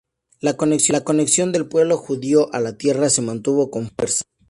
La conexión del pueblo judío a la tierra se mantuvo con fuerza.